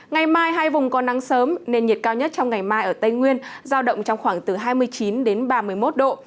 ngày mai hai vùng có nắng sớm nền nhiệt cao nhất trong ngày mai ở tây nguyên giao động trong khoảng từ hai mươi chín đến ba mươi một độ